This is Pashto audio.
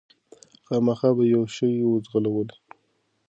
خامخا به یې یو شی وو ځغلولی